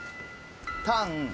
タン。